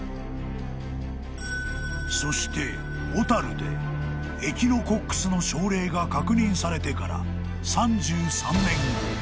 ［そして小樽でエキノコックスの症例が確認されてから３３年後］